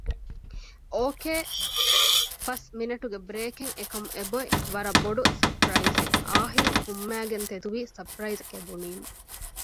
އޯކޭ ފަސް މިނެޓުގެ ބްރޭކެއް އެކަމް އެބޮތް ވަރަށް ބޮޑު ސަޕްރައިޒެއް އާހިލް ފުންމައިގެން ތެދުވީ ސަޕްރައިޒެކޭ ބުނީމަ